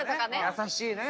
優しいね。